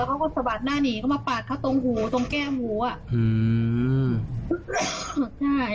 แล้วเขาก็สะบัดหน้านี่ก็มาปาดเขาตรงหูตรงแก้มหูอ่ะอืม